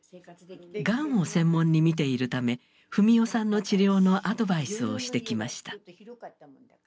がんを専門にみているため史世さんの治療のアドバイスをしてきました。